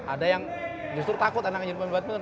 ada yang justru takut anaknya jadi pemain badminton